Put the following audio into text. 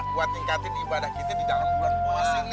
buat tingkatin ibadah kita di dalam bulan puasa ini